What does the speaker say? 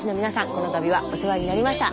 この度はお世話になりました。